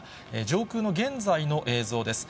上空の現在の映像です。